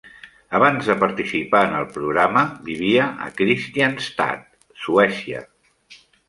Abans de participar en el programa, vivia a Kristianstad, Suècia.